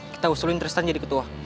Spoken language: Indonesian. kita usulin tristan jadi ketua